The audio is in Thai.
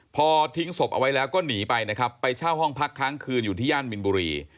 พอทิ้งศพเอาไว้แล้วก็หนีไปนะครับไปเช่าห้องพักค้างคืนอยู่ที่ย่านมินบุรี